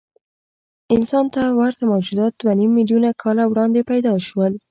انسان ته ورته موجودات دوهنیم میلیونه کاله وړاندې پیدا شول.